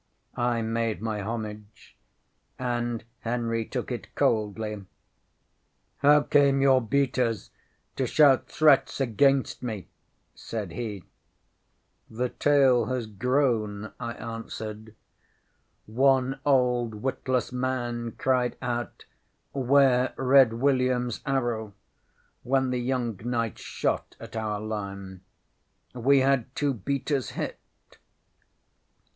I made my homage, and Henry took it coldly. ŌĆśŌĆ£How came your beaters to shout threats against me? ŌĆØ said he. ŌĆśŌĆ£The tale has grown, ŌĆØ I answered. ŌĆ£One old witless man cried out, ŌĆśŌĆÖWare Red WilliamŌĆÖs arrow, ŌĆÖ when the young knights shot at our line. We had two beaters hit.